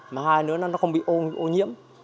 mà hai nữa là nó không bị ô nhiễm